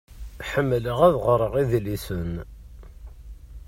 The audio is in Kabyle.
Ḥemleɣ ad ɣreɣ idlisen.